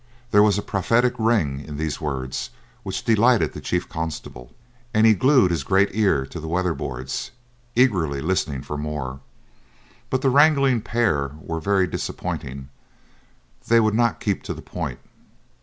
There was a prophetic ring in these words which delighted the chief constable, and he glued his great ear to the weatherboards, eagerly listening for more; but the wrangling pair were very disappointing; they would not keep to the point.